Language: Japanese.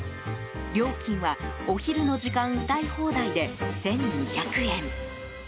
料金は、お昼の時間歌い放題で１２００円。